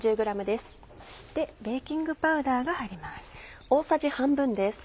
そしてベーキングパウダーが入ります。